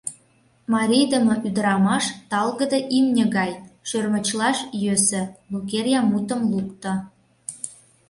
«Марийдыме ӱдырамаш талгыде имне гай — шӧрмычлаш йӧсӧ», — Лукерья мутым лукто.